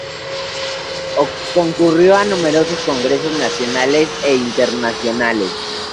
Concurrió a numerosos congresos nacionales e internacionales.